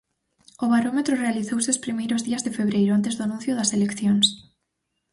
O barómetro realizouse os primeiros días de febreiro, antes do anuncio das eleccións.